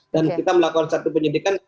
dan kita melakukan satu penyelidikan